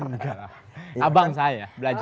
enggak lah abang saya belajar